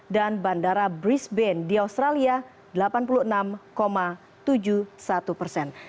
dan bandara brisbane di australia delapan puluh enam tujuh puluh satu persen